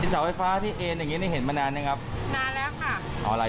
เพราะเสาเชี่ยงมากกว่ารมมากครับ